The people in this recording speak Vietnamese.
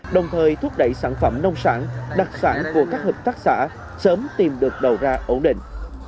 đồng thời thúc đẩy sản phẩm nông sản đặc sản của các hợp tác xã sớm tìm được đầu ra ổn định